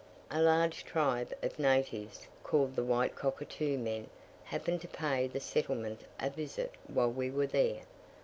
A large tribe of natives, called the White Cockatoo men happened to pay the settlement a visit while we were there.